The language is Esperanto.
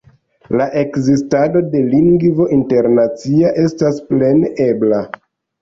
La ekzistado de lingvo internacia estas plene ebla.